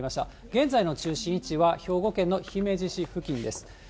現在の中心位置は兵庫県の姫路市付近です。